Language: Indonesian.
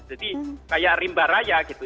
jadi kayak rimba raya gitu